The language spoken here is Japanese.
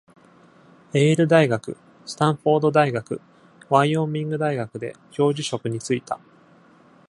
エール大学、スタンフォード大学、ワイオミング大学で教授職に就いた。